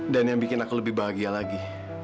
dan yang bikin aku lebih bahagia lagi